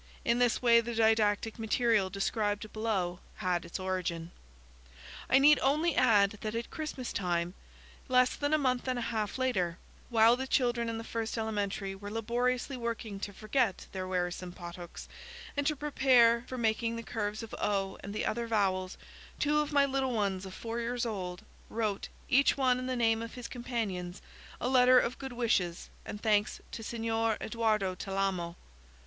In this way the didactic material described below had its origin. I need only add that at Christmas time, less than a month and a half later, while the children in the first elementary were laboriously working to forget their wearisome pothooks and to prepare for making the curves of O and the other vowels, two of my little ones of four years old, wrote, each one in the name of his companions, a letter of good wishes and thanks to Signor Edoardo Talamo.